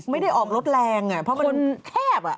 ไม่ได้ออกรถแรงเพราะมันแคบ